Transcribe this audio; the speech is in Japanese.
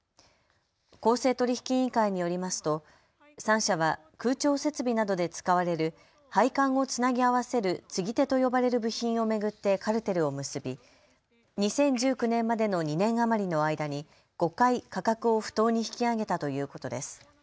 公正取引委員会によりますと３社は空調設備などで使われる配管をつなぎ合わせる継手と呼ばれる部品を巡ってカルテルを結び、２０１９年までの２年余りの間に５回、価格を不当に引き上げたということです。